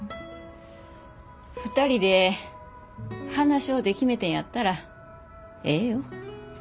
２人で話し合うて決めてんやったらええよ。